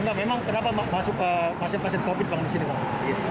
enggak memang kenapa masuk pasien pasien covid bang di sini pak